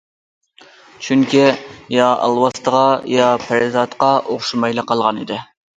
چۈنكى يا ئالۋاستىغا، يا پەرىزاتقا ئوخشىمايلا قالغان ئىدى.